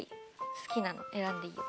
好きなの選んでいいよ。